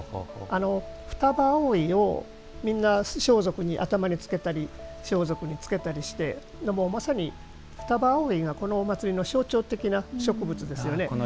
二葉葵をみんな装束に頭につけたり装束につけたりしてまさに二葉葵がこのお祭りの象徴的な植物ですよね。